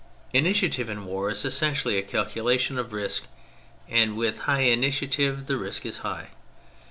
Initiative in war is essentially a calculation of risk, and with high initiative the risk is high.